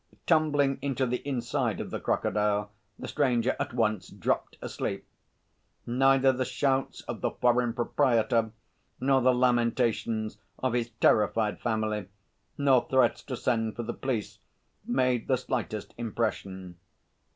Tumbling into the inside of the crocodile, the stranger at once dropped asleep. Neither the shouts of the foreign proprietor, nor the lamentations of his terrified family, nor threats to send for the police made the slightest impression.